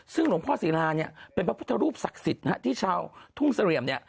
ซึ่งหลวงพ่อศิลาเนี่ยเป็นพระพุทธรูปศักดิ์สิทธิ์ที่ชาวทุ่งเสลี่ยมเนี่ย